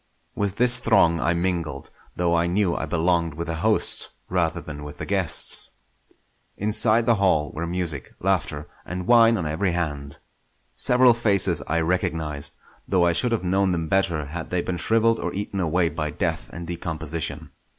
With this throng I mingled, though I knew I belonged with the hosts rather than with the guests. Inside the hall were music, laughter, and wine on every hand. Several faces I recognised; though I should have known them better had they been shrivelled or eaten away by death and decomposition.